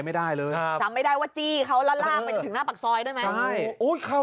ก็ไม่ได้ว่าจี้เขาร่าวไปกับมี๐๖ห้ำ